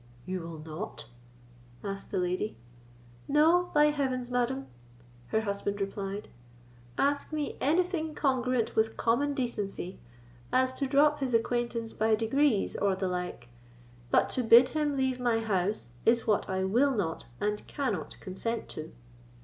"You will not?" asked the lady. "No, by heavens, madam!" her husband replied; "ask me anything congruent with common decency, as to drop his acquaintance by degrees, or the like; but to bid him leave my house is what I will not and cannot consent to."